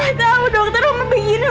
tahu dokter oma begini oma